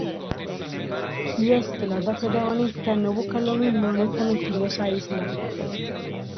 Y es que los dos protagonistas no buscan lo mismo en esta misteriosa isla.